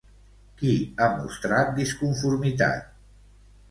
Qui ha mostrat disconformitat?